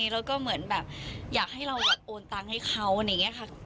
แล้วก็เหมือนแบบอยากให้เราแบบโอนตังค์ให้เขาอะไรอย่างนี้ค่ะ